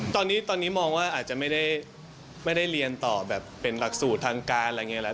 ตอนนี้มองว่าอาจจะไม่ได้เรียนต่อแบบเป็นหลักสูตรทางการอะไรอย่างนี้แล้ว